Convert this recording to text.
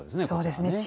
そうですね。